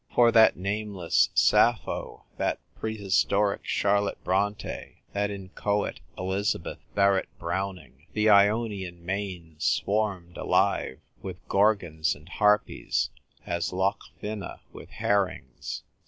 For that nameless Sappho, that prehistoric Charlotte Bronte, that inchoate Elizabeth Barrett Browning, the Ionian main swarmed alive with Gorgons and Harpies as Loch Fyne with herrings.